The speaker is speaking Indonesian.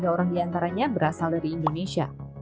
lima ratus tiga orang diantaranya berasal dari indonesia